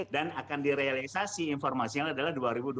dan akan direalisasi informasinya adalah dua ribu dua puluh empat